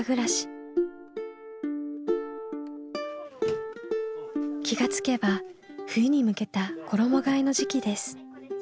気が付けば冬に向けた衣がえの時期です。